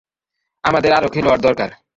আমাদের আরও খেলোয়াড় দরকার!